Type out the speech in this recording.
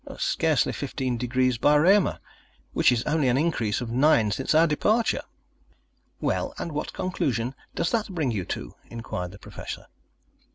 "Scarcely fifteen degrees by Reaumur, which is only an increase of nine since our departure." "Well, and what conclusion does that bring you to?" inquired the Professor.